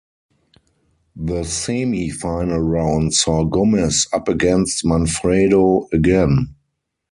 The Semi-Final round saw Gomez up against Manfredo again.